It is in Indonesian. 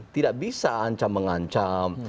tidak bisa ancam mengancam